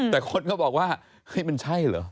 แต่คนก็บอกว่าเฮ้ยมันใช่เหรอ